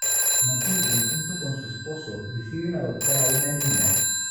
Matilde junto con su esposo deciden adoptar a una niña.